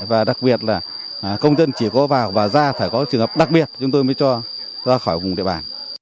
và đặc biệt là công dân chỉ có vào và ra phải có trường hợp đặc biệt chúng tôi mới cho ra khỏi vùng địa bàn